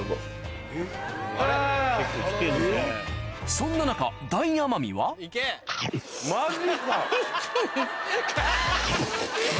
そんな中大奄美はマジか！